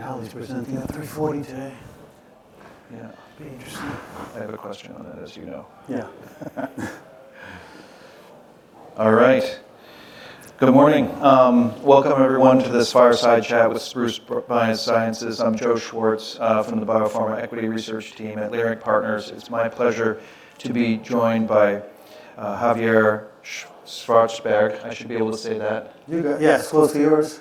How he's presenting at 3:40 P.M. today. Yeah. Be interesting. I have a question on that, as you know. Yeah. All right. Good morning. Welcome everyone to this fireside chat with Spruce Biosciences. I'm Joe Schwartz, from the Biopharma Equity Research team at Leerink Partners. It's my pleasure to be joined by Javier Szwarcberg. I should be able to say that. You got. Yes, close to yours.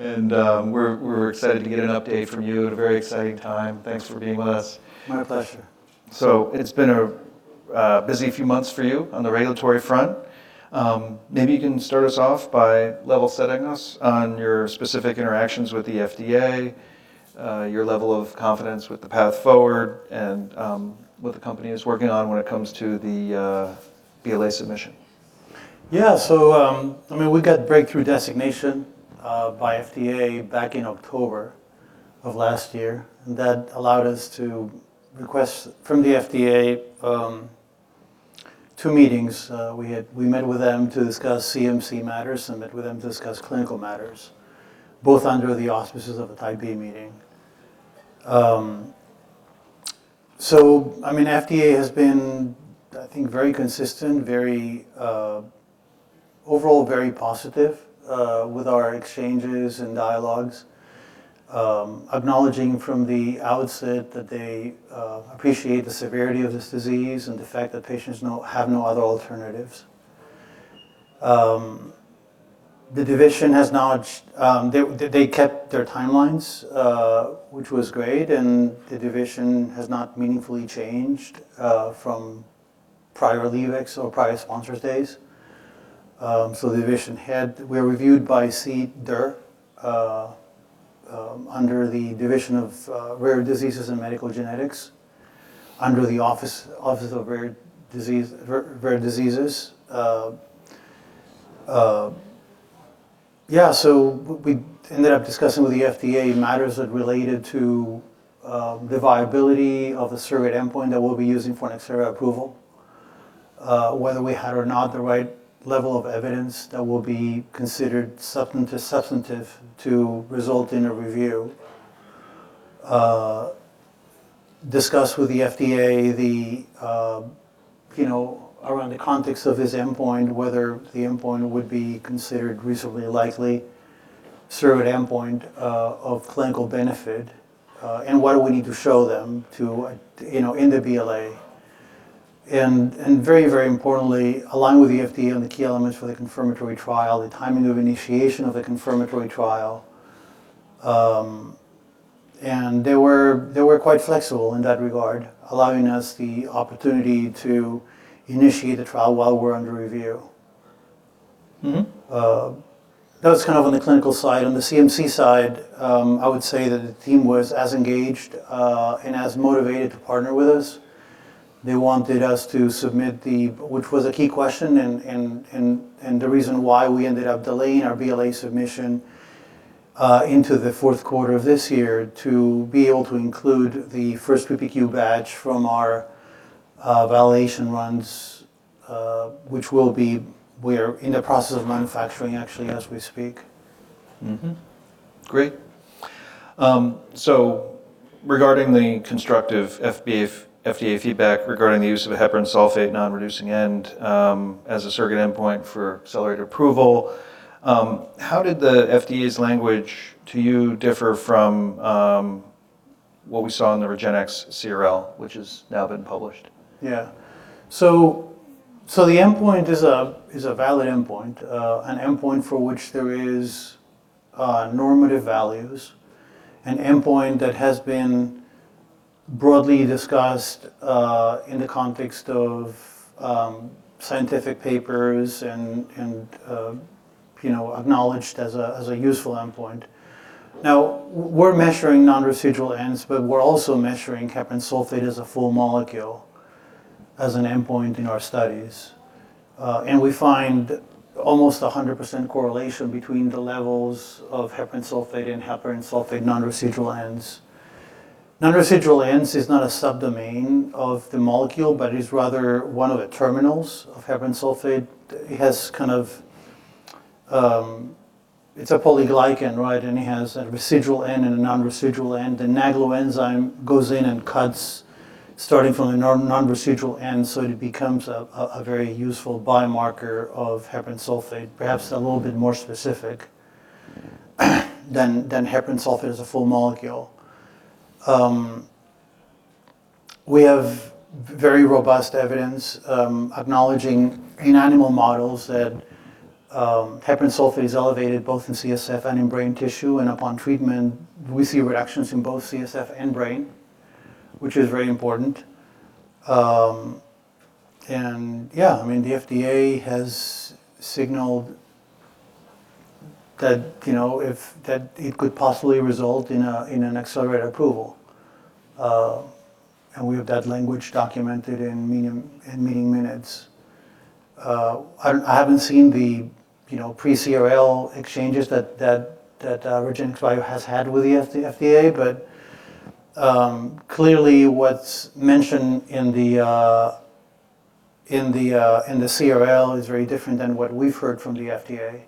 We're excited to get an update from you at a very exciting time. Thanks for being with us. My pleasure. It's been a busy few months for you on the regulatory front. maybe you can start us off by level setting us on your specific interactions with the FDA, your level of confidence with the path forward, and, what the company is working on when it comes to the BLA submission. We got Breakthrough Therapy designation by FDA back in October of last year. That allowed us to request from the FDA two meetings. We met with them to discuss CMC matters and met with them to discuss clinical matters, both under the auspices of a Type B meeting. FDA has been very consistent, very overall, very positive with our exchanges and dialogues, acknowledging from the outset that they appreciate the severity of this disease and the fact that patients have no other alternatives. They kept their timelines, which was great, and the Division has not meaningfully changed from prior Leave X or prior sponsors days. The division head. We're reviewed by CDER under the Division of Rare Diseases and Medical Genetics under the office, Office of Rare Diseases. Yeah. We ended up discussing with the FDA matters that related to the viability of the surrogate endpoint that we'll be using for an accelerated approval, whether we had or not the right level of evidence that will be considered substantive to result in a review, discuss with the FDA, you know, around the context of this endpoint, whether the endpoint would be considered reasonably likely, surrogate endpoint, of clinical benefit, and what do we need to show them, you know, in the BLA. Very importantly, along with the FDA on the key elements for the confirmatory trial, the timing of initiation of the confirmatory trial. They were quite flexible in that regard, allowing us the opportunity to initiate the trial while we're under review. Mm-hmm. That was kind of on the clinical side. On the CMC side, I would say that the team was as engaged and as motivated to partner with us. They wanted us to submit which was a key question and the reason why we ended up delaying our BLA submission into the Q4 of this year to be able to include the first PPQ batch from our validation runs, we're in the process of manufacturing actually as we speak. Great. Regarding the constructive FDA feedback regarding the use of a heparan sulfate non-reducing end as a surrogate endpoint for accelerated approval, how did the FDA's language to you differ from what we saw in the RGNX CRL, which has now been published? RGNXYeah. The endpoint is a valid endpoint, an endpoint for which there is normative values, an endpoint that has been broadly discussed in the context of scientific papers and, you know, acknowledged as a useful endpoint. Now, we're measuring non-reducing ends, but we're also measuring heparan sulfate as a full molecule, as an endpoint in our studies. We find almost 100% correlation between the levels of heparan sulfate and heparan sulfate non-reducing ends. Non-reducing ends is not a subdomain of the molecule, but is rather one of the terminals of heparan sulfate. It has kind of... It's a polyglycan, right, and it has a residual end and a non-reducing end. The NAGLU enzyme goes in and cuts starting from the non-reducing end, so it becomes a very useful biomarker of heparan sulfate, perhaps a little bit more specific than heparan sulfate as a full molecule. We have very robust evidence acknowledging in animal models that heparan sulfate is elevated both in CSF and in brain tissue, and upon treatment, we see reductions in both CSF and brain, which is very important. Yeah, I mean, the FDA has signaled that, you know, that it could possibly result in an accelerated approval. We have that language documented in meeting minutes. I haven't seen the, you know, pre-CRL exchanges that REGENXBIO has had with the FDA, but clearly what's mentioned In the CRL is very different than what we've heard from the FDA.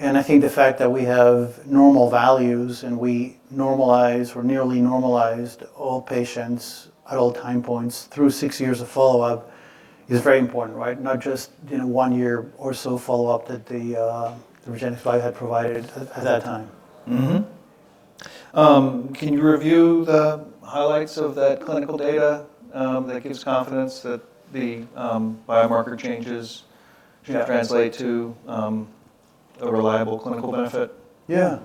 I think the fact that we have normal values, and we normalize or nearly normalized all patients at all time points through six years of follow-up is very important, right? Not just in one year or so follow-up that the REGENXBIO had provided at that time. Can you review the highlights of that clinical data, that gives confidence that the biomarker changes... Yeah... translate to a reliable clinical benefit? In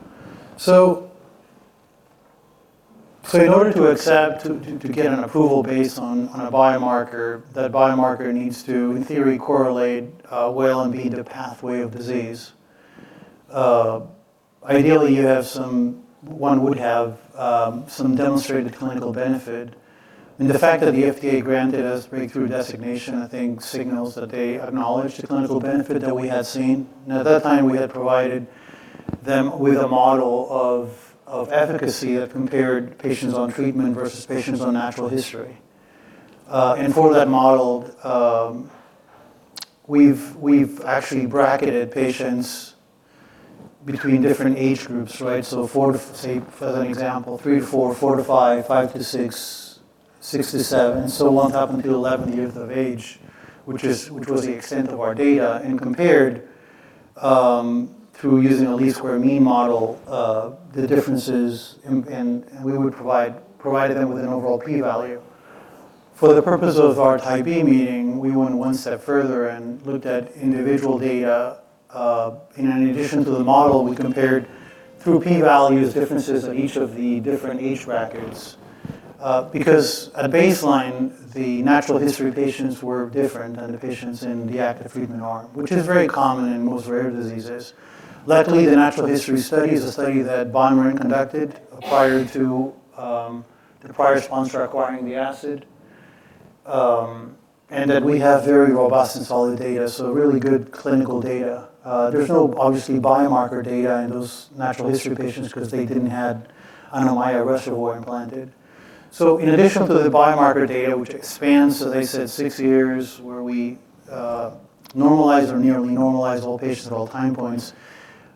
order to get an approval based on a biomarker, that biomarker needs to, in theory, correlate well and be the pathway of disease. Ideally, one would have demonstrated clinical benefit. The fact that the FDA granted us Breakthrough designation, I think signals that they acknowledge the clinical benefit that we had seen. At that time, we had provided them with a model of efficacy that compared patients on treatment versus patients on natural history. For that model, we've actually bracketed patients between different age groups, right? Say, as an example, three to four to five to six to seven, and so on up until 11th year of age, which is... which was the extent of our data and compared, through using a least squares mean model, the differences. We would provide them with an overall P value. For the purpose of our Type B meeting, we went one step further and looked at individual data. In addition to the model, we compared through P values differences of each of the different age brackets. Because at baseline, the natural history patients were different than the patients in the active treatment arm, which is very common in most rare diseases. Luckily, the natural history study is a study that BioMarin conducted prior to the prior sponsor acquiring the asset, and that we have very robust and solid data, so really good clinical data. There's no obviously biomarker data in those natural history patients 'cause they didn't have an AAV reservoir implanted. In addition to the biomarker data, which expands, so they said six years where we normalize or nearly normalize all patients at all time points,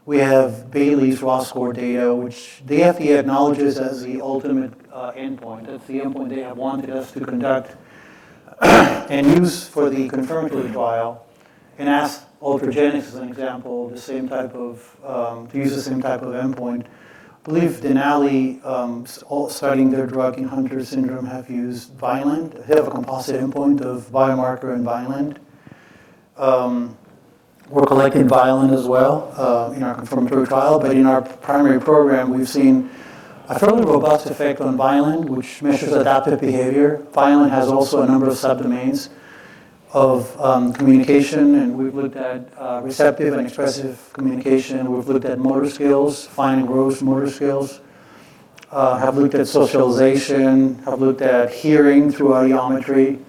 we have Bayley raw score data, which the FDA acknowledges as the ultimate endpoint. That's the endpoint they had wanted us to conduct and use for the confirmatory trial, and asked Ultragenyx as an example the same type of to use the same type of endpoint. I believe Denali studying their drug in Hunter syndrome have used Vineland. They have a composite endpoint of biomarker and Vineland. We're collecting Vineland as well in our confirmatory trial. In our primary program, we've seen a fairly robust effect on Vineland, which measures adaptive behavior. Vineland has also a number of sub-domains of communication, and we've looked at receptive and expressive communication. We've looked at motor skills, fine and gross motor skills. Have looked at socialization, have looked at hearing through audiometry.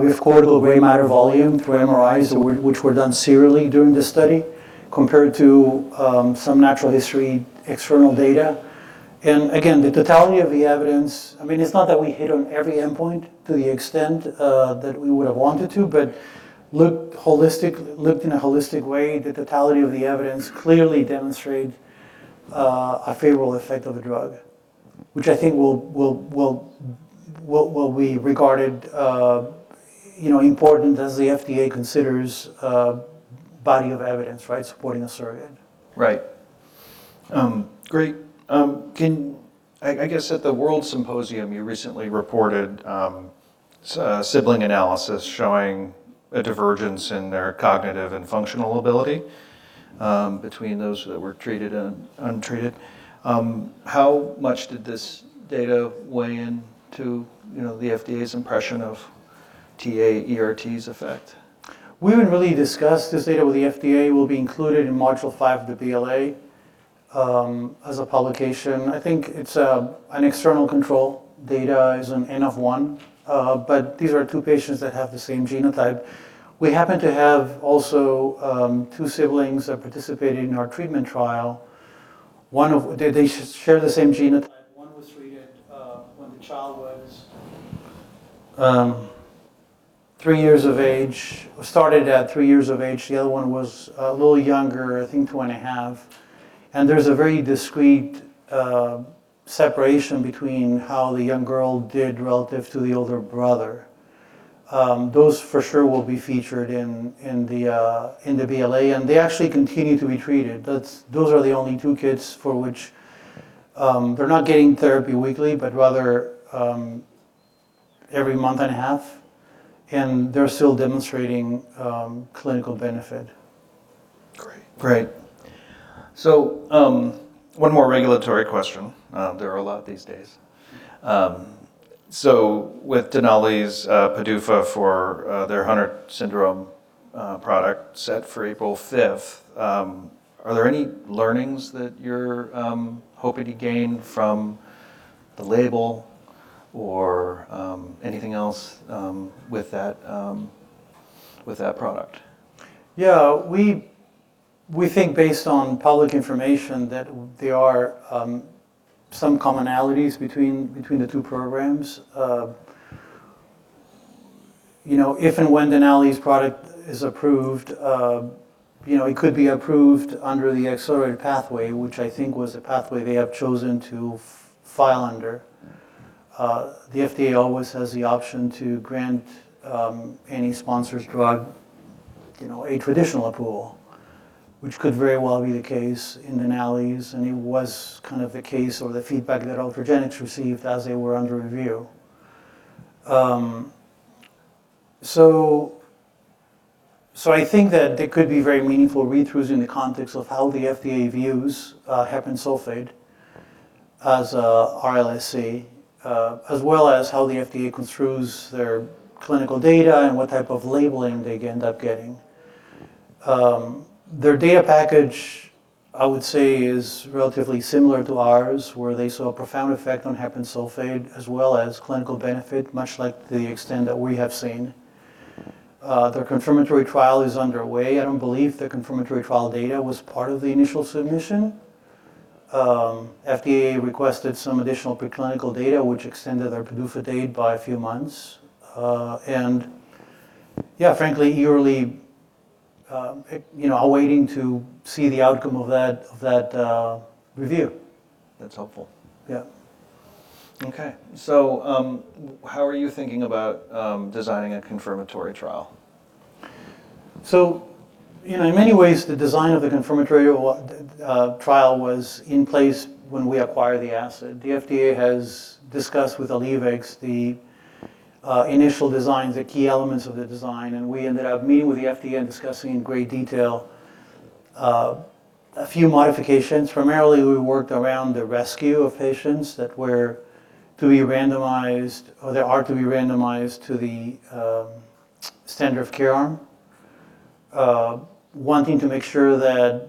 We have cortical gray matter volume through MRIs, which were done serially during this study compared to some natural history external data. The totality of the evidence, I mean, it's not that we hit on every endpoint to the extent that we would have wanted to, but looked in a holistic way, the totality of the evidence clearly demonstrate a favorable effect of the drug, which I think will be regarded, you know, important as the FDA considers body of evidence, right, supporting us over here. Right. Great. I guess at the WORLDSymposium, you recently reported, sibling analysis showing a divergence in their cognitive and functional ability, between those that were treated and untreated. How much did this data weigh in to, you know, the FDA's impression of TA-ERT's effect? We haven't really discussed this data with the FDA, will be included in module five of the BLA, as a publication. I think it's an external control data is an N of one. These are two patients that have the same genotype. We happen to have also, two siblings, participating in our treatment trial. They share the same genotype. One was treated, when the child was, three years of age. Started at three years of age. The other one was a little younger, I think two and a half. There's a very discrete separation between how the young girl did relative to the older brother. Those for sure will be featured in the BLA, and they actually continue to be treated. Those are the only two kids for which, they're not getting therapy weekly, but rather, every month and a half, and they're still demonstrating, clinical benefit. Great, great. One more regulatory question. There are a lot these days. With Denali's PDUFA for their Hunter syndrome product set for April fifth, are there any learnings that you're hoping to gain from the label or anything else with that product? We think based on public information that there are some commonalities between the two programs. You know, if and when Denali's product is approved, you know, it could be approved under the accelerated pathway, which I think was a pathway they have chosen to file under. The FDA always has the option to grant any sponsor's drug, you know, a traditional approval, which could very well be the case in Denali's, and it was kind of the case or the feedback that Ultragenyx received as they were under review. I think that there could be very meaningful read-throughs in the context of how the FDA views heparan sulfate as a RLSE, as well as how the FDA construes their clinical data and what type of labeling they end up getting. Their data package, I would say, is relatively similar to ours, where they saw a profound effect on heparan sulfate as well as clinical benefit, much like the extent that we have seen. Their confirmatory trial is underway. I don't believe their confirmatory trial data was part of the initial submission. FDA requested some additional preclinical data which extended their PDUFA date by a few months. Yeah, frankly, yearly, you know, awaiting to see the outcome of that, of that review. That's helpful. Yeah. Okay. How are you thinking about designing a confirmatory trial? You know, in many ways, the design of the confirmatory t-trial was in place when we acquired the asset. The FDA has discussed with Alnylam the initial designs, the key elements of the design, and we ended up meeting with the FDA and discussing in great detail, a few modifications. Primarily, we worked around the rescue of patients that were to be randomized, or that are to be randomized to the standard of care arm. Wanting to make sure that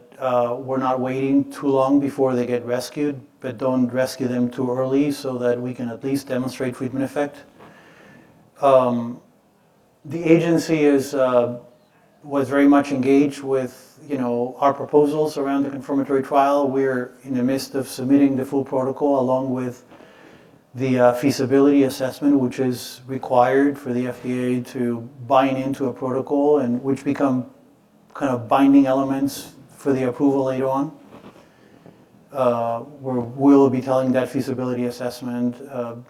we're not waiting too long before they get rescued, but don't rescue them too early so that we can at least demonstrate treatment effect. The agency was very much engaged with, you know, our proposals around the confirmatory trial. We're in the midst of submitting the full protocol along with the feasibility assessment, which is required for the FDA to buy in to a protocol and which become kind of binding elements for the approval later on. We'll be telling that feasibility assessment,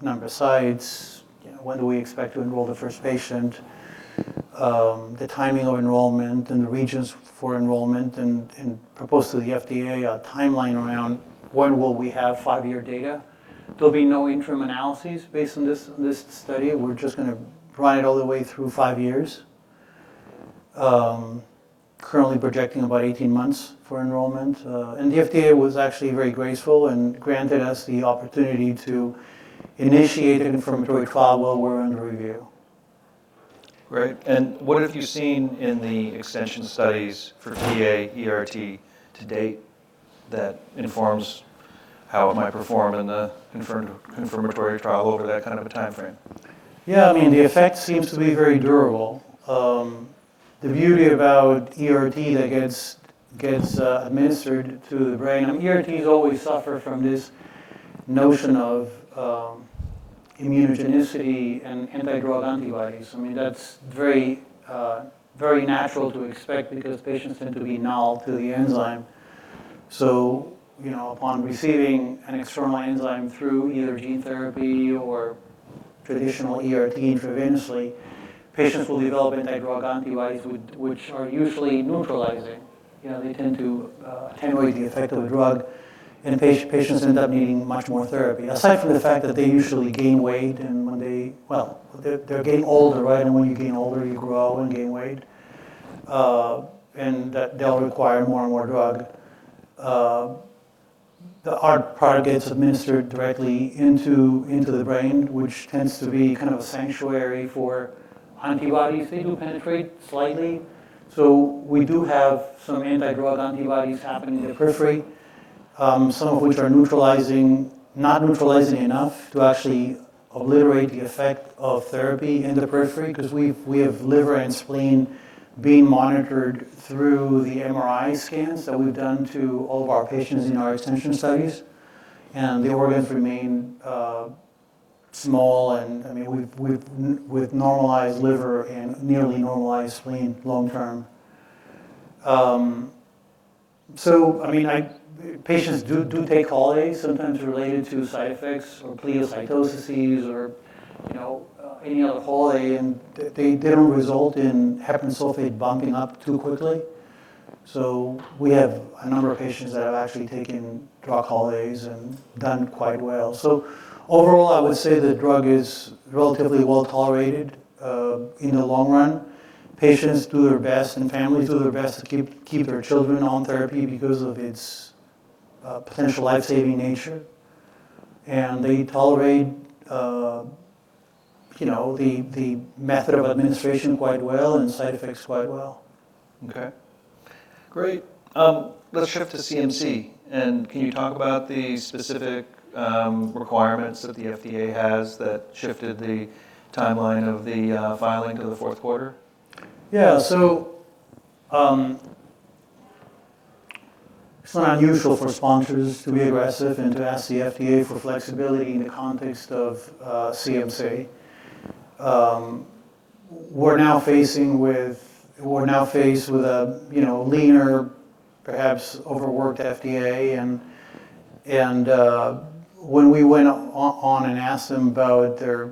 number of sites, you know, when do we expect to enroll the first patient, the timing of enrollment and the regions for enrollment and propose to the FDA a timeline around when will we have 5-year data. There'll be no interim analyses based on this study. We're just gonna provide it all the way through five years. Currently projecting about 18 months for enrollment, and the FDA was actually very graceful and granted us the opportunity to initiate a confirmatory trial while we're under review. Great. What have you seen in the extension studies for TA-ERT to date that informs how it might perform in a confirmatory trial over that kind of a timeframe? I mean, the effect seems to be very durable. The beauty about ERT that gets administered through the brain... I mean, ERTs always suffer from this notion of immunogenicity and anti-drug antibodies. I mean, that's very natural to expect because patients tend to be null to the enzyme. You know, upon receiving an external enzyme through either gene therapy or traditional ERT intravenously, patients will develop anti-drug antibodies which are usually neutralizing. You know, they tend to attenuate the effect of the drug, and patients end up needing much more therapy. Aside from the fact that they usually gain weight and when they Well, they're getting older, right? When you gain older, you grow and gain weight, and that they'll require more and more drug. Our product gets administered directly into the brain, which tends to be kind of a sanctuary for antibodies. They do penetrate slightly, so we do have some anti-drug antibodies happening in the periphery, some of which are neutralizing, not neutralizing enough to actually obliterate the effect of therapy in the periphery 'cause we have liver and spleen being monitored through the MRI scans that we've done to all of our patients in our extension studies, and the organs remain small and, I mean, with normalized liver and nearly normalized spleen long term. So I mean, patients do take holidays sometimes related to side effects or pleocytosis or, you know, any other holiday, and they don't result in heparan sulfate bumping up too quickly. We have a number of patients that have actually taken drug holidays and done quite well. Overall, I would say the drug is relatively well-tolerated in the long run. Patients do their best and families do their best to keep their children on therapy because of its potential life-saving nature, and they tolerate, you know, the method of administration quite well and side effects quite well. Okay. Great. Let's shift to CMC, and can you talk about the specific requirements that the FDA has that shifted the timeline of the filing to the Q4? Yeah. It's not unusual for sponsors to be aggressive and to ask the FDA for flexibility in the context of CMC. We're now faced with a, you know, leaner, perhaps overworked FDA, and when we went on and asked them about their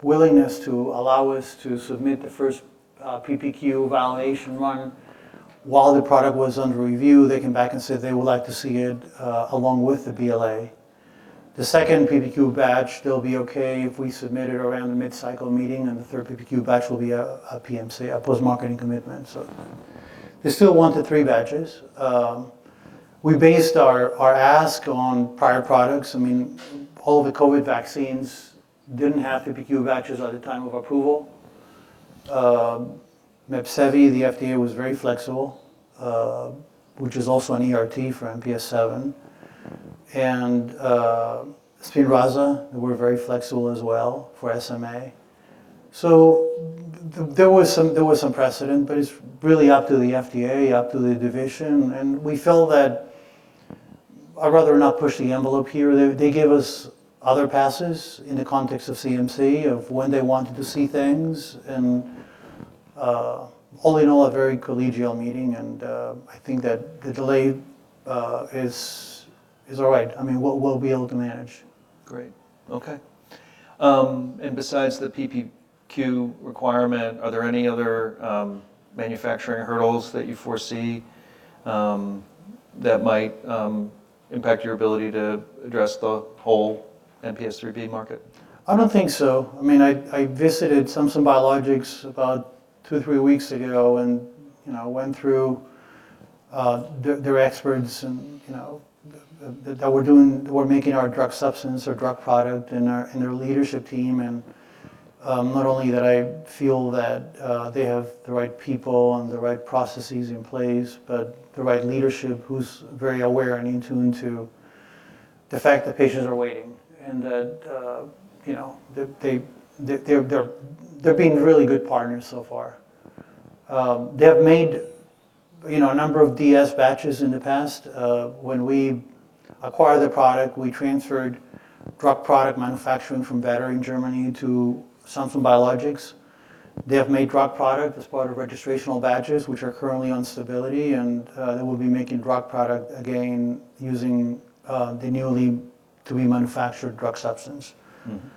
willingness to allow us to submit the first PPQ validation run while the product was under review, they came back and said they would like to see it along with the BLA. The second PPQ batch, they'll be okay if we submit it around the mid-cycle meeting, and the third PPQ batch will be a PMC, a post-marketing commitment. They still want the three batches. We based our ask on prior products. I mean, all the COVID vaccines didn't have PPQ batches at the time of approval. Mepsevii, the FDA was very flexible, which is also an ERT for MPS VII. SPINRAZA, they were very flexible as well for SMA. There was some precedent, but it's really up to the FDA, up to the division, and we felt that I'd rather not push the envelope here. They gave us other passes in the context of CMC of when they wanted to see things. All in all, a very collegial meeting, and I think that the delay is all right. I mean, we'll be able to manage. Great. Okay. Besides the PPQ requirement, are there any other manufacturing hurdles that you foresee that might impact your ability to address the whole MPS IIIB market? I don't think so. I mean, I visited Samsung Biologics about two, three weeks ago and, you know, went through their experts and, you know, Were making our drug substance, or drug product, and their leadership team. Not only that I feel that they have the right people and the right processes in place, but the right leadership who's very aware and in tune to the fact that patients are waiting and that, you know, they're being really good partners so far. They have made, you know, a number of DS batches in the past. When we acquired the product, we transferred drug product manufacturing from Vetter in Germany to Samsung Biologics. They have made drug product as part of registrational batches, which are currently on stability, and they will be making drug product again using the newly to-be-manufactured drug substance. Mm-hmm ...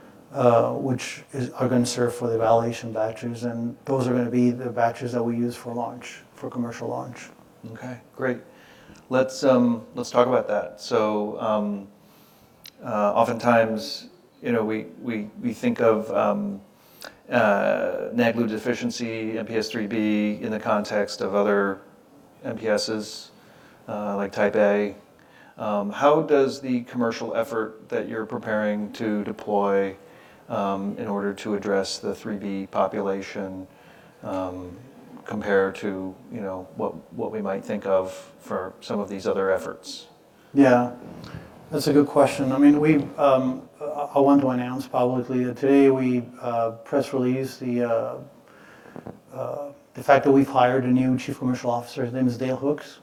which are gonna serve for the validation batches. Those are gonna be the batches that we use for launch, for commercial launch. Okay, great. Let's talk about that. Oftentimes, you know, we think of NAGLU deficiency, MPS IIIB in the context of other MPSs, like type A. How does the commercial effort that you're preparing to deploy, in order to address the IIIB population, compare to, you know, what we might think of for some of these other efforts? Yeah. That's a good question. I mean, we've, I want to announce publicly that today we press released the fact that we've hired a new Chief Commercial Officer. His name is Dale Hooks.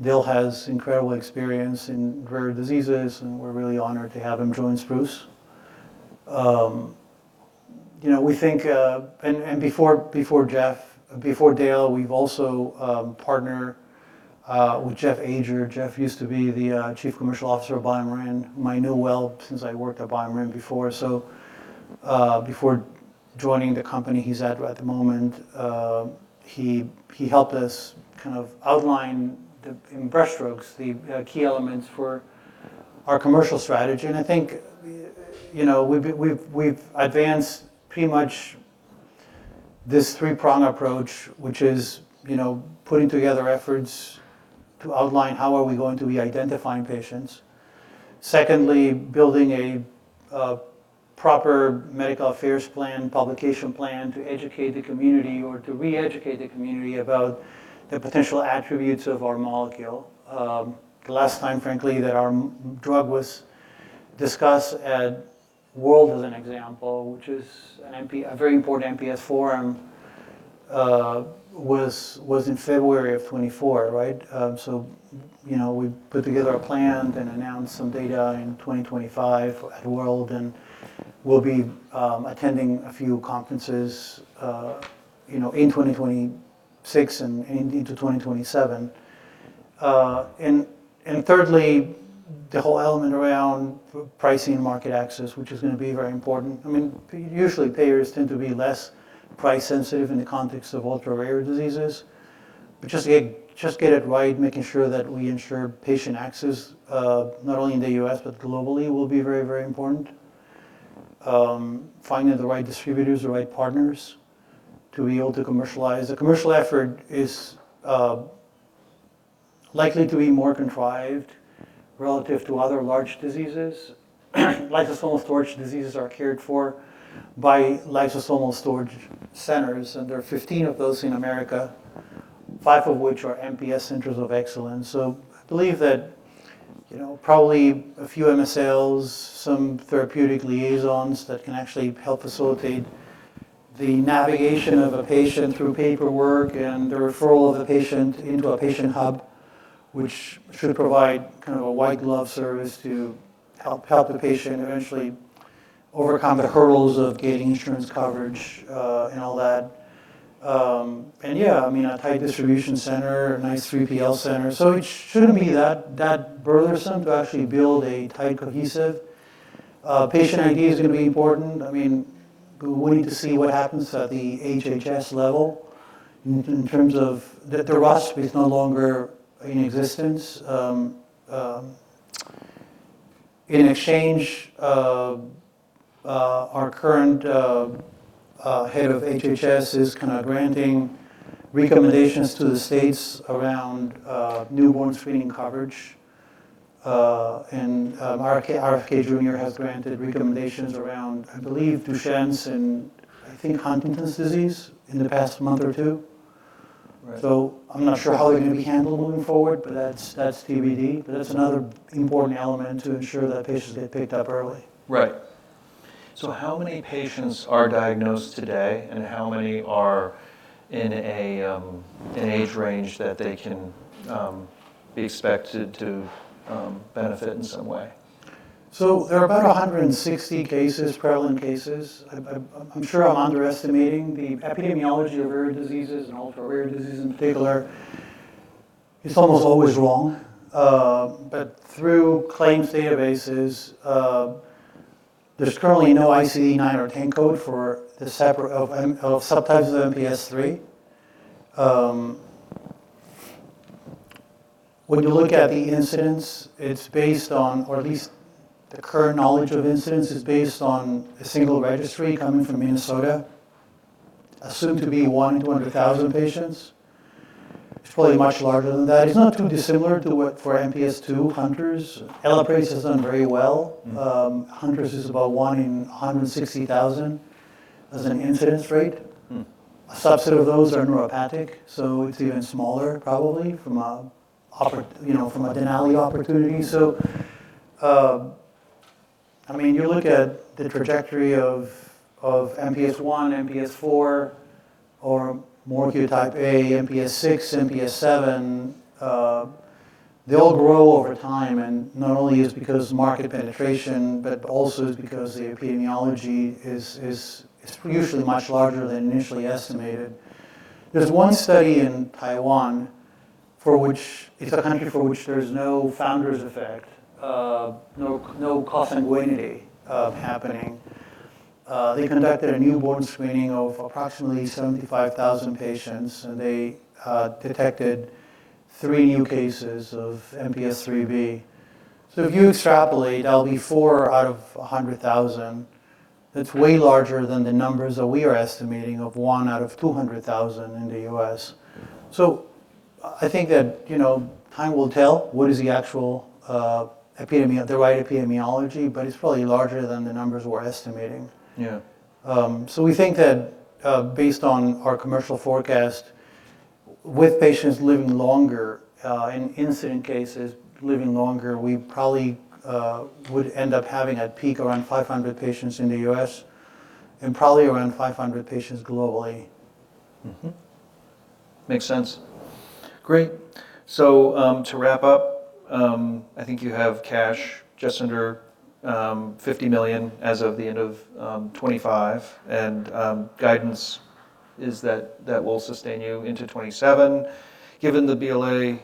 Dale has incredible experience in rare diseases, and we're really honored to have him join Spruce. You know, we think before Jeff, before Dale, we've also partnered with Jeff Ajer. Jeff used to be the Chief Commercial Officer of BioMarin, whom I knew well since I worked at BioMarin before. Before joining the company he's at the moment, he helped us kind of outline the, in brushstrokes, the key elements for our commercial strategy. I think, you know, we've advanced pretty much this three-prong approach, which is, you know, putting together efforts to outline how are we going to be identifying patients. Secondly, building a proper medical affairs plan, publication plan to educate the community or to re-educate the community about the potential attributes of our molecule. The last time, frankly, that our drug was discussed at World, as an example, which is a very important MPS forum, was in February of 2024, right? You know, we put together a plan, then announced some data in 2025 at World, and we'll be attending a few conferences, you know, in 2026 and into 2027. And thirdly, the whole element around pricing and market access, which is gonna be very important. I mean, usually payers tend to be less price sensitive in the context of ultra-rare diseases. Just get it right, making sure that we ensure patient access, not only in the US, but globally, will be very, very important. Finding the right distributors, the right partners to be able to commercialize. The commercial effort is likely to be more contrived. Relative to other large diseases, lysosomal storage diseases are cured for by lysosomal storage centers, and there are 15 of those in America, 5 of which are MPS Centers of Excellence. I believe that, you know, probably a few MSLs, some therapeutic liaisons that can actually help facilitate the navigation of a patient through paperwork and the referral of a patient into a patient hub, which should provide kind of a white glove service to help the patient eventually overcome the hurdles of getting insurance coverage and all that. Yeah, I mean, a tight distribution center, a nice 3PL center. It shouldn't be that burdensome to actually build a tight cohesive. Patient ID is gonna be important. I mean, we're waiting to see what happens at the HHS level in terms of the ROSC is no longer in existence. In exchange, our current head of HHS is kind of granting recommendations to the states around newborn screening coverage. RFK Jr. has granted recommendations around, I believe, Duchenne's and I think Huntington's disease in the past month or two. Right. I'm not sure how they're gonna be handled moving forward, but that's TBD. That's another important element to ensure that patients get picked up early. Right. How many patients are diagnosed today, and how many are in an age range that they can be expected to benefit in some way? There are about 160 cases, prevalent cases. I'm sure I'm underestimating. The epidemiology of rare diseases and ultra-rare diseases in particular is almost always wrong. Through claims databases, there's currently no ICD-9 or 10 code for the subtypes of MPS III. When you look at the incidence, it's based on, or at least the current knowledge of incidence is based on a single registry coming from Minnesota, assumed to be 1 in 200,000 patients. It's probably much larger than that. It's not too dissimilar to what for MPS II Hunter syndrome. Mm-hmm. ELAPRASE has done very well. Mm-hmm. Hunter syndrome is about 1 in 160,000 as an incidence rate. Mm. A subset of those are neuropathic, so it's even smaller probably from a you know, from a Denali opportunity. I mean, you look at the trajectory of MPS I, MPS IV, or Morquio type A, MPS VI, MPS VII, they all grow over time and not only is because market penetration, but also is because the epidemiology is usually much larger than initially estimated. There's one study in Taiwan for which it's a country for which there's no founders effect, no consanguinity of happening. They conducted a newborn screening of approximately 75,000 patients, and they detected three new cases of MPS IIIB. If you extrapolate, that'll be four out of 100,000. That's way larger than the numbers that we are estimating of one out of 200,000 in the US I think that, you know, time will tell what is the actual, the right epidemiology, but it's probably larger than the numbers we're estimating. Yeah. We think that, based on our commercial forecast, with patients living longer, and incident cases living longer, we probably would end up having a peak around 500 patients in the US and probably around 500 patients globally. Mm-hmm. Makes sense. Great. To wrap up, I think you have cash just under $50 million as of the end of 2025. Guidance is that that will sustain you into 2027. Given the BLA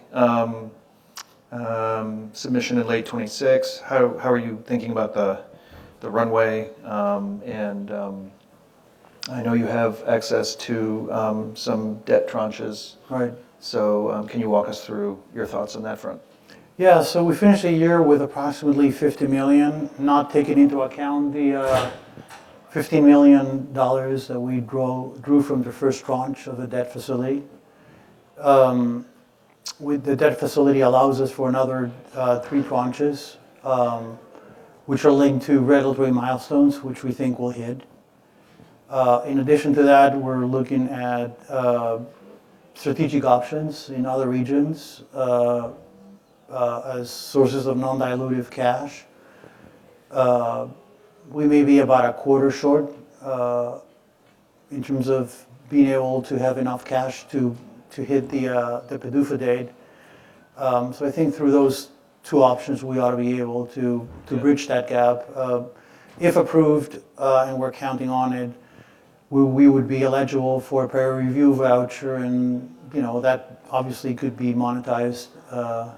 submission in late 2026, how are you thinking about the runway? I know you have access to some debt tranches. Right. Can you walk us through your thoughts on that front? We finished the year with approximately $50 million, not taking into account the $50 million that we grew from the first tranche of the debt facility. The debt facility allows us for another three tranches, which are linked to regulatory milestones, which we think we'll hit. In addition to that, we're looking at strategic options in other regions as sources of non-dilutive cash. We may be about a quarter short in terms of being able to have enough cash to hit the PDUFA date. I think through those two options, we ought to be able to bridge that gap. If approved, and we're counting on it, we would be eligible for a priority review voucher and, you know, that obviously could be monetized,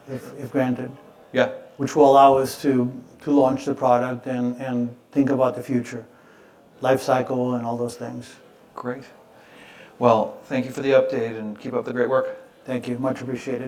if granted. Yeah... which will allow us to launch the product and think about the future life cycle and all those things. Great. Well, thank you for the update and keep up the great work. Thank you. Much appreciated.